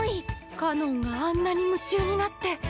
かのんがあんなに夢中になって。